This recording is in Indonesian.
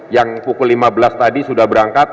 yang pukul lima belas tadi sudah berangkat